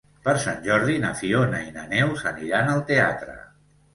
Per Sant Jordi na Fiona i na Neus aniran al teatre.